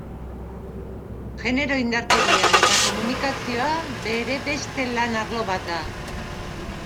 Genero-indarkeria eta komunikazioa bere beste lan arlo bat da.